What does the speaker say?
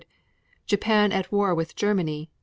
Japan at war with Germany.